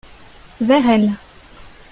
Vers elle.